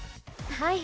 はい。